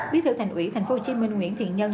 quý thượng thành ủy tp hcm nguyễn thiện nhân